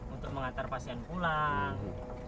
untuk mengantar pasien pulang